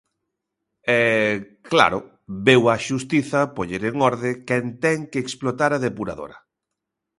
E, claro, veu a xustiza poñer en orde quen ten que explotar a depuradora.